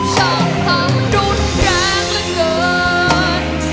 ฉันทำรุนแรงและเกิด